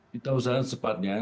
kita usahakan sempatnya